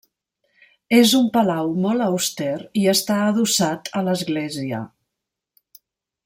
És un palau molt auster i està adossat a l'església.